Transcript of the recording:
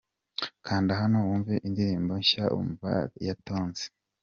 Kanda hano wumve indirimbo nshya'Umva'ya Tonzi .